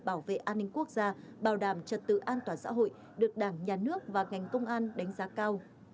bảo vệ an ninh quốc gia bảo đảm trật tự an toàn xã hội được đảng nhà nước và ngành công an đánh giá cao